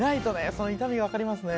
その痛み分かりますね